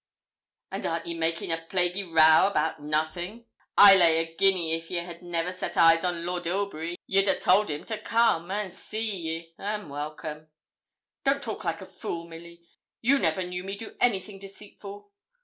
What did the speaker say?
'And arn't ye making a plaguy row about nothin'? I lay a guinea if ye had never set eyes on Lord Ilbury you'd a told him to come, and see ye, an' welcome.' 'Don't talk like a fool, Milly. You never knew me do anything deceitful.